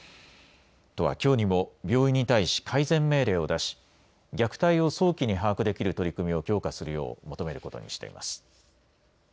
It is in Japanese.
都はきょうにも病院に対し改善命令を出し虐待を早期に把握できる取り組みを強化するよう求めることにしています。